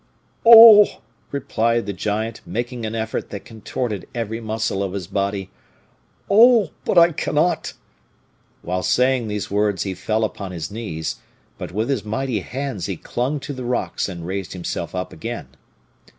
"Oh!" replied the giant, making an effort that contorted every muscle of his body "oh! but I cannot." While saying these words, he fell upon his knees, but with his mighty hands he clung to the rocks, and raised himself up again.